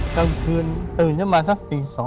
กลางคืนตื่นจะมาเท่าปี๒